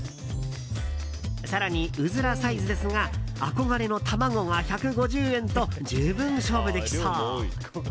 更に、ウズラサイズですが憧れの卵が１５０円と十分勝負できそう。